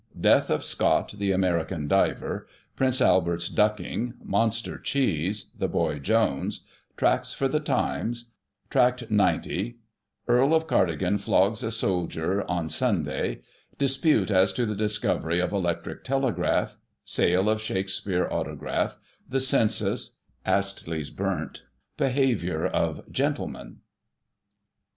D^ath of Scott, "the American Diver" — Prince Albert's ducking — Monster cheese— "The Boy Jones "—" Tracts for the Times," Tract XC— Earl of Cardigan flogs a soldier on Sunday — Dispute as to the discovery of Electric Telegraph — Sale of Shakspere autograph — The Census — Astley's burnt — Behaviour of "gentlemen."